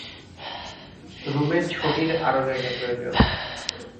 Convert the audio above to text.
রুমে ছোটির আরো জায়গা প্রয়োজন।